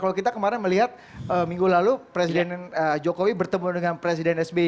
kalau kita kemarin melihat minggu lalu presiden jokowi bertemu dengan presiden sbi